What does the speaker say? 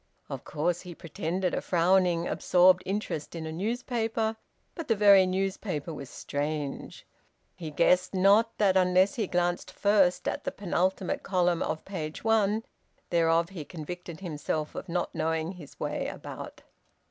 Of course he pretended a frowning, absorbed interest in a newspaper but the very newspaper was strange; he guessed not that unless he glanced first at the penultimate column of page one thereof he convicted himself of not knowing his way about.